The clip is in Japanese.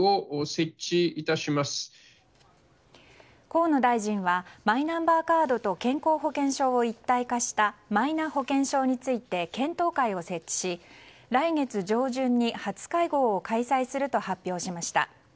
河野大臣はマイナンバーカードと健康保険証を一体化したマイナ保険証について検討会を設置し来月上旬に初会合を開催すると発表しました。